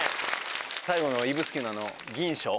最後の指宿の吟松。